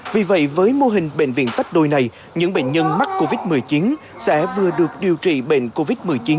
vì vậy với mô hình bệnh viện tách đôi này những bệnh nhân mắc covid một mươi chín sẽ vừa được điều trị bệnh covid một mươi chín